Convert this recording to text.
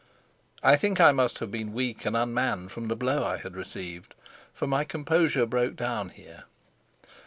I think I must have been weak and unmanned from the blow I had received, for my composure broke down here.